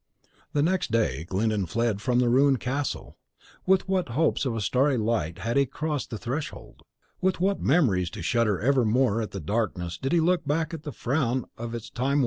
.... The next day Glyndon fled from the ruined castle. With what hopes of starry light had he crossed the threshold; with what memories to shudder evermore at the darkness did he look back at the frown of its time worn towers!